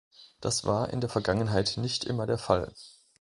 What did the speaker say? Das war in der Vergangenheit nicht immer der Fall.